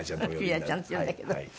欣也ちゃんって言うんだけど。